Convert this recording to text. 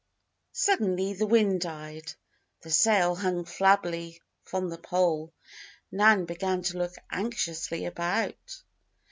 Suddenly the wind died. Their sail hung flabbily from the pole. Nan began to look anxiously about.